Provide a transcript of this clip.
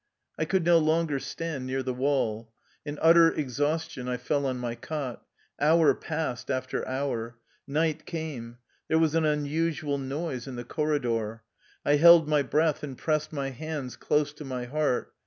I could no longer stand near the wall. In utter exhaustion I fell on my cot. Hour passed after hour. Night came. There was an un usual noise in the corridor. I held my breath, and pressed my hands close to my heart.